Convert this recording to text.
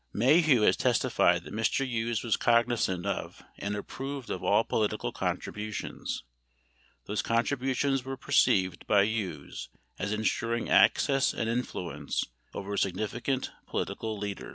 6 Maheu has testified that Mr. Hughes was cognizant of and approved of all political contributions. Those contributions were perceived by Hughes as insuring access and influence over significant political leaders.